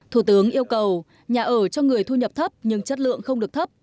thủ tướng yêu cầu nhà ở cho người thu nhập thấp nhưng chất lượng không được thấp